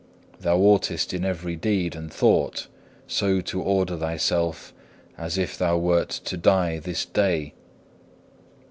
Thou oughtest in every deed and thought so to order thyself, as if thou wert to die this day.